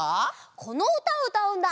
このうたをうたうんだ！